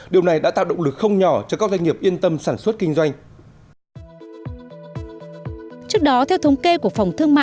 điều này đã tạo động lực không nhỏ cho các doanh nghiệp yên tâm sản xuất kinh doanh